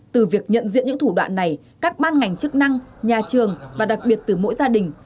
từ việc nhận diện những thủ đoạn này các ban ngành chức năng nhà trường và đặc biệt từ mỗi gia đình